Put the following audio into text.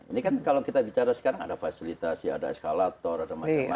ini kan kalau kita bicara sekarang ada fasilitasi ada eskalator ada macam macam